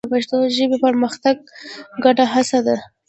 د پښتو ژبې پرمختګ زموږ ګډه هڅه ده.